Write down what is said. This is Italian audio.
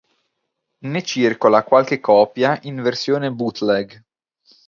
Ne circola qualche copia in versione bootleg.